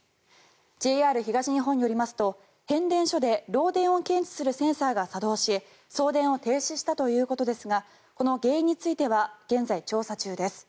ＪＲ東日本によりますと変電所で漏電を検知するセンサーが作動し送電を停止したということですがこの原因については現在、調査中です。